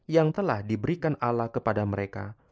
yang telah diberikan ala kepada mereka